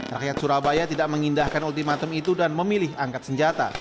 rakyat surabaya tidak mengindahkan ultimatum itu dan memilih angkat senjata